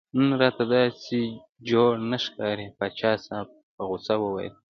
نن راته داسې جوړ نه ښکارې پاچا صاحب په غوسه وویل.